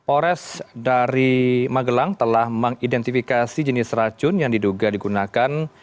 ores dari magelang telah mengidentifikasi jenis racun yang diduga digunakan